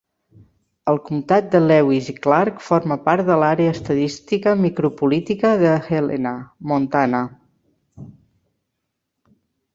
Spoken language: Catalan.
El Comtat de Lewis i Clark forma part de l'Àrea estadística micro-política d'Helena, Montana.